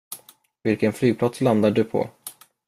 Vilken flygplats landar du på?